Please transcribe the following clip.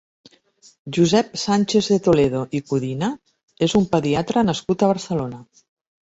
Josep Sánchez de Toledo i Codina és un pediatre nascut a Barcelona.